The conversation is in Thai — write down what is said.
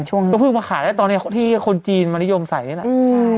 ก็พึ่งมาขายได้ตอนนี้ที่คนจีนมนิยมใส่เนี่ยแหละ